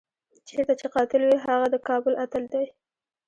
چېرته چې قاتل وي هغه د کابل اتل دی.